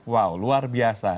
wow luar biasa